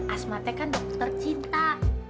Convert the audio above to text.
asmatnya kan dokter cinta